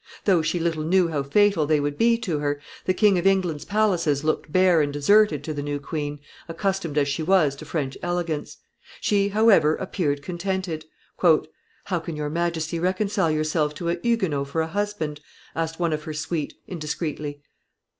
Though she little knew how fatal they would be to her, the king of England's palaces looked bare and deserted to the new queen, accustomed as she was to French elegance; she, however, appeared contented. "How can your Majesty reconcile yourself to a Huguenot for a husband?" asked one of her suite, indiscreetly.